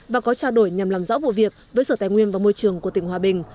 và có trao đổi nhằm làm rõ vụ việc với sở tài nguyên và môi trường của tỉnh hòa bình